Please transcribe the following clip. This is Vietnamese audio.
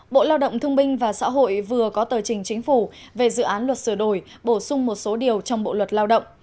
bộ lao động thương binh và xã hội vừa có tờ trình chính phủ về dự án luật sửa đổi bổ sung một số điều trong bộ luật lao động